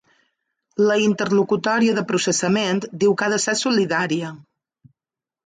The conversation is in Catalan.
La interlocutòria de processament diu que ha de ser ‘solidària’.